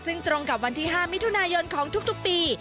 ซึ่งตรงกับวันที่๕มิถุนายนของทุกปี